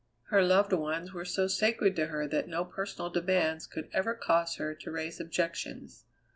Her loved ones were so sacred to her that no personal demands could ever cause her to raise objections.